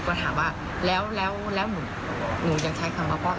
ก็ถามว่าแล้วหนูหนูยังใช้คำว่าพ่อกับเขามา